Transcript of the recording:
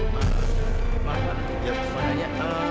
pak mana dia